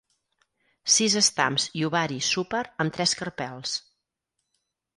Sis estams i ovari súper amb tres carpels.